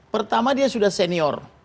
pertama dia sudah senior